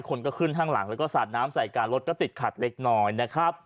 คนก็ขึ้นข้างหลังแล้วก็สาดน้ำใส่กันรถก็ติดขัดเล็กน้อยนะครับ